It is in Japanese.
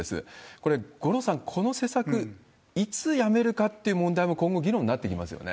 これ、五郎さん、この施策、いつやめるかっていう問題も、今後、議論になってきますよね。